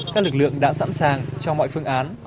các lực lượng đã sẵn sàng cho mọi phương án